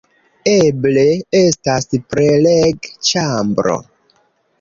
Eble estas preleg-ĉambro